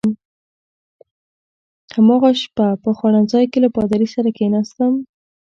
هماغه شپه په خوړنځای کې له پادري سره کېناستم.